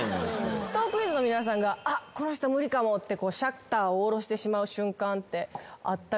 トークィーンズの皆さんがあっこの人無理かもってシャッターを下ろしてしまう瞬間ってあったりしますか？